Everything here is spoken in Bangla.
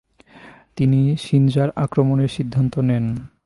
তিনি সিনজার আক্রমণের সিদ্ধান্ত নেন।